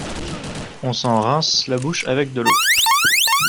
On s'en rince la bouche avec de l'eau.